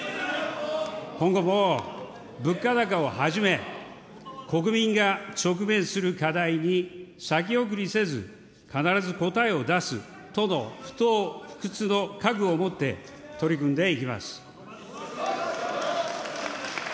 今後も物価高をはじめ、国民が直面する課題に、先送りせず、必ず答えを出すとの不とう不屈の覚悟をもって取り組んでいきます。